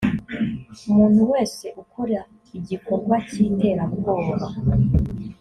umuntu wese ukora igikorwa cy’ iterabwoba